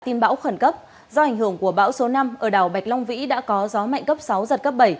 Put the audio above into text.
tin bão khẩn cấp do ảnh hưởng của bão số năm ở đảo bạch long vĩ đã có gió mạnh cấp sáu giật cấp bảy